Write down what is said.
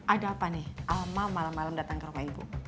ada apa nih alma malam malam datang ke rumah ibu